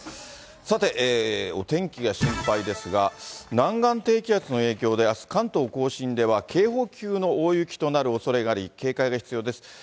さて、お天気が心配ですが、南岸低気圧の影響で、あす、関東甲信では警報級の大雪となるおそれがあり、警戒が必要です。